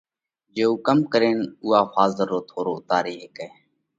جي ڪم ڪرينَ اُو ڦازر رو ٿورو اُوتاري هيڪئه؟